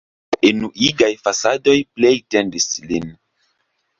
Enuigaj fasadoj plej tedis lin.